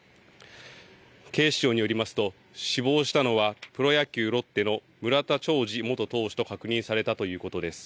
警視庁によりますと死亡したのはプロ野球、ロッテの村田兆治元投手と確認されたということです。